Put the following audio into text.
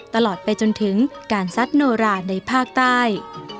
ตลอดไปจนถึงการซัดโนราในภาคใต้